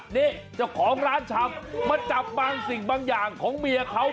นี่เจ้าของร้านชำมาจับบางสิ่งบางอย่างของเมียเขา